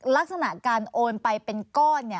ลักษณะการโอนไปเป็นก้อน